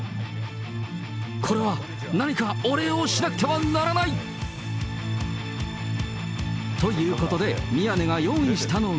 これは、何かお礼をしなくてはならない！ということで、宮根が用意したのが。